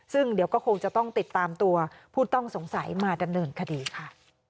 ซึ่งเดี๋ยวก็คงจะต้องติดตามตัวผู้ต้องสงสัยมาดำเนินคดีค่ะ